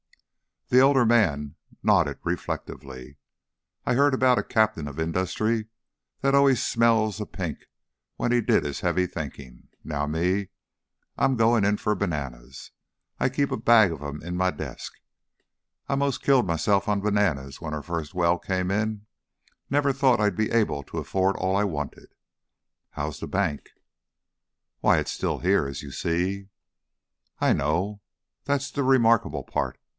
The elder man nodded reflectively. "I heard about a captain of industry that allus smelled a pink when he did his heavy thinkin'. Now me, I'm goin' in for bananas. I keep a bag of 'em in my desk. I 'most killed myself on bananas when our first well came in never thought I'd be able to afford all I wanted. How's the bank?" "Why, it's still here, as you see." "I know. That's the remarkable part.